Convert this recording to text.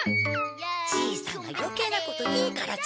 じいさんが余計なこと言うからじゃろ。